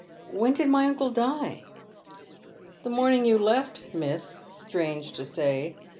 " When did my uncle die ?"" The morning you left, miss, strange to say.